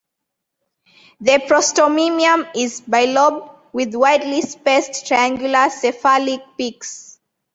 The prostomium is bilobed with widely spaced triangular cephalic peaks.